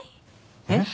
えっ？